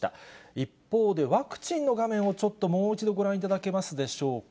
一方で、ワクチンの画面をちょっともう一度ご覧いただけますでしょうか。